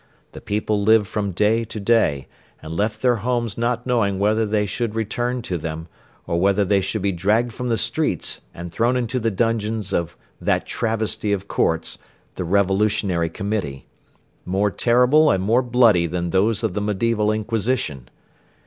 The people lived from day to day and left their homes not knowing whether they should return to them or whether they should be dragged from the streets and thrown into the dungeons of that travesty of courts, the Revolutionary Committee, more terrible and more bloody than those of the Mediaeval Inquisition.